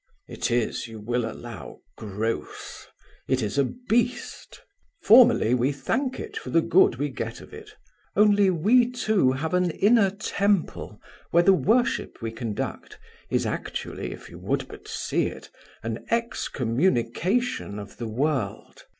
It is, you will allow, gross; it is a beast. Formally we thank it for the good we get of it; only we two have an inner temple where the worship we conduct is actually, if you would but see it, an excommunication of the world.